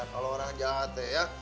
kalau orang jahat ya